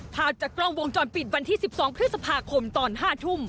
ภาพจากกล้องวงจรปิดวันที่๑๒พฤษภาคมตอน๕ทุ่ม